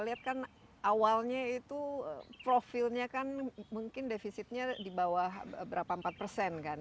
kita lihat kan awalnya itu profilnya kan mungkin defisitnya di bawah berapa empat persen kan